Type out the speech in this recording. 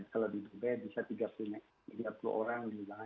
kalau di dubai bisa tiga puluh orang di ruangan yang